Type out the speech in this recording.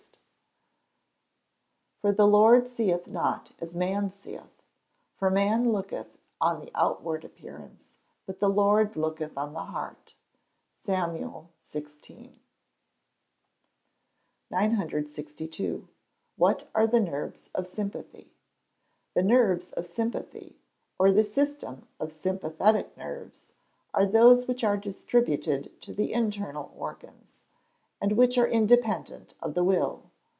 [Verse: "For the Lord seeth not as man seeth; for man looketh on the outward appearance, but the Lord looketh on the heart." SAMUEL XVI.] 962. What are the nerves of sympathy? The nerves of sympathy, or the system of sympathetic nerves, are those which are distributed to the internal organs, and which are independent of the will.